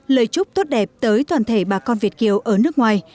lời chúc tốt đẹp tới toàn thể bà con việt kiều ở nước ngoài